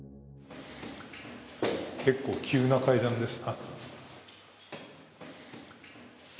結構、急な階段です。